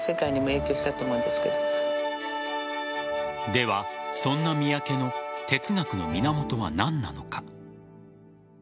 では、そんな三宅の哲学の源は何なのか。